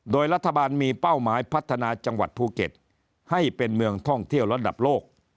โดยรัฐบาลมีเป้าหมายพัฒนาจังหวัดภูเก็ตให้เป็นเมืองท่องเที่ยวระดับโลก